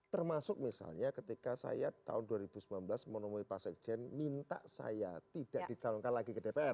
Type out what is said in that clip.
termasuk misalnya ketika saya tahun dua ribu sembilan belas menemui pak sekjen minta saya tidak dicalonkan lagi ke dpr